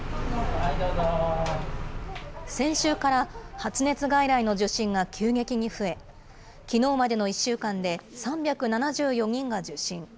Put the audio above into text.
先週から、発熱外来の受診が急激に増え、きのうまでの１週間で３７４人が受診。